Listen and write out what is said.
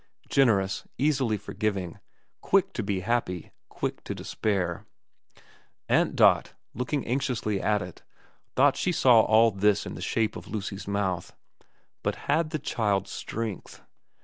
Generous ; easily forgiving ; quick to be happy ; quick to despair, Aunt Dot, looking anxiously at it, thought she saw all this in the shape of Lucy's mouth. But had the child strength